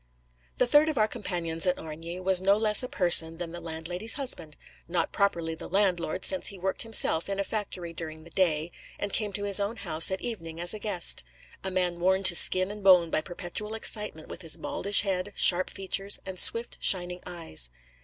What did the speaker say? The third of our companions at Origny was no less a person than the landlady's husband: not properly the landlord, since he worked himself in a factory during the day, and came to his own house at evening as a guest: a man worn to skin and bone by perpetual excitement, with baldish head, sharp features, and swift, shining eyes.